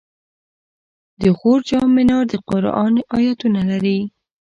د غور جام منار د قرآن آیتونه لري